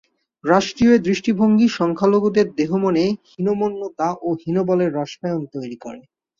রাষ্ট্রীয় এই দৃষ্টিভঙ্গি সংখ্যালঘুদের দেহমনে হীনম্মন্যতা ও হীনবলের রসায়ন তৈরি করে।